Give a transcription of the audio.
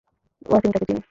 ওয়াসিম তাকে চিনে।